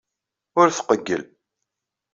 Ur tqeyyel.